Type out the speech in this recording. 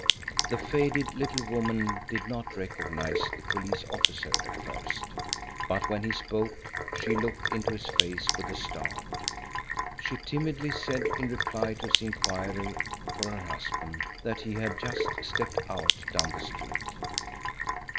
The faded little woman did not recognise the police officer at first, but when he spoke she looked into his face with a start. She timidly said, in reply to his inquiry for her husband, that he had just "stepped out" down the street.